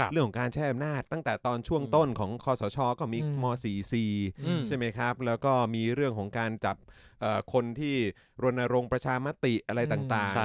เรื่องของการใช้อำนาจตั้งแต่ตอนช่วงต้นของคอสชก็มีม๔๔ใช่ไหมครับแล้วก็มีเรื่องของการจับคนที่รณรงค์ประชามติอะไรต่าง